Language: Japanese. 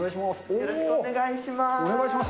よろしくお願いします。